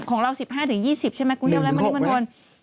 ของเรา๑๕ถึง๒๐ใช่ไหมคุณเรียกว่าไหมมันที่มันทวน